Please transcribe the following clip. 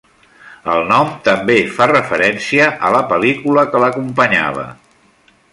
El nom també fa referència a la pel·lícula que l'acompanyava.